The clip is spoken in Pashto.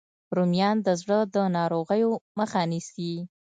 رومیان د زړه د ناروغیو مخه نیسي